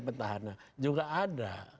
pertahanan juga ada